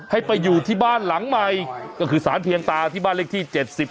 ให้ไปอยู่ที่บ้านหลังใหม่ก็คือสารเพียงตาที่บ้านเลขที่๗๐